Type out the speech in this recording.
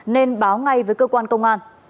nên báo ngay với cơ quan công an